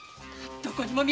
どこにも。